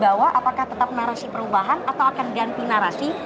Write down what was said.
bahwa apakah tetap narasi perubahan atau akan ganti narasi